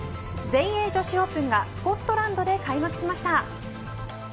全英女子オープンがスコットランドで開幕しました。